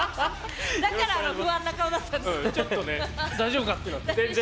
だから不安な顔だったんですか。